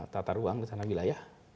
tata ruang rencana wilayah